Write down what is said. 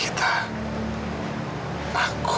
saya tetap selalu